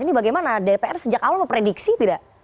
ini bagaimana dpr sejak awal memprediksi tidak